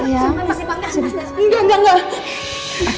enggak enggak enggak